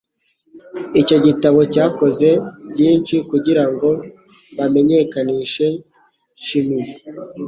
Icyo gitabo cyakoze byinshi kugirango bamenyekanishe chimie.